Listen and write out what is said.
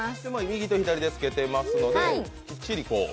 右と左でつけていますのできっちりこう。